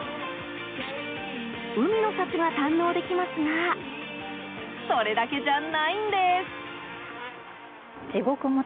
海の幸が堪能できますがそれだけじゃないんです。